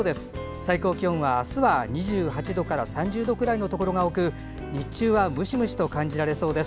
最高気温はあすは２８度から３０度くらいのところが多く日中はムシムシと感じられそうです。